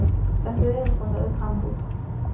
La sede del condado es Hamburg.